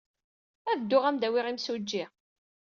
Ad dduɣ ad am-d-awiɣ imsujji.